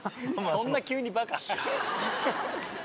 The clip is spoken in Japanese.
そんな急にバカ？